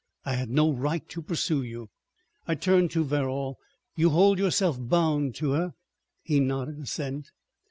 I had no right to pursue you." I turned to Verrall. "You hold yourself bound to her?" He nodded assent.